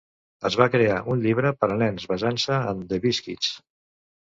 Es va crear un llibre per a nens basant-se en "The Biskitts".